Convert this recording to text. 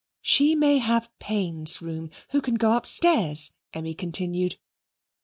"She may have Payne's room, who can go upstairs," Emmy continued.